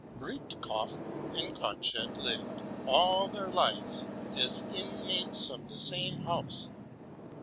Breitkopf "and Gottsched lived, all their lives, as inmates of the same house.